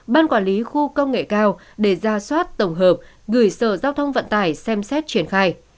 ban quản lý khu công nghệ cao để ra soát tổng hợp gửi sở giao thông vận tải xem xét triển khai